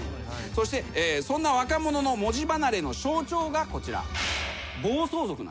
そしてそんな若者の文字離れの象徴がこちら。